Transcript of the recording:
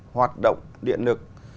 hoạt động điện lực